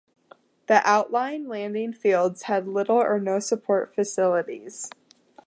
The Outlying Landing Fields had little or no support facilities.